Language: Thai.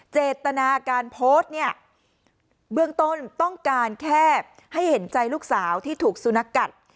เจตนาการโพสต์เนี่ยเบื้องต้นต้องการแค่ให้เห็นใจลูกสาวที่ถูกสุนัขกัด